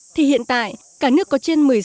thì hiện tại cả nước có trên một mươi sáu người dân